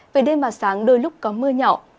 về đêm và sáng đôi lúc có mưa nhỏ